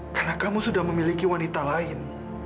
karena kamu sudah memiliki wanita lain